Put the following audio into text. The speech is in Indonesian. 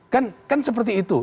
kan kan seperti itu